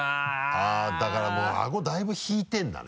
あぁだからもうアゴだいぶ引いてるんだね。